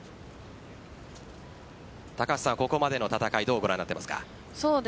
ここまでの戦いどうご覧になっていますか？